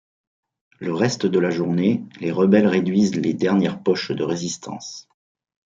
Le reste de la journée, les rebelles réduisent les dernières poches de résistance.